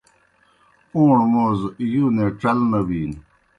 پَوݨوْ موز یُونے ڇل نہ بِینوْ۔